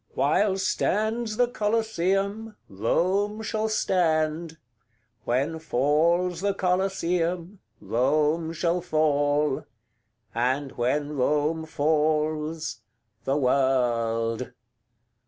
CXLV. 'While stands the Coliseum, Rome shall stand; When falls the Coliseum, Rome shall fall; And when Rome falls the World.'